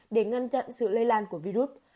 để ngăn chặn sự lây lan của virus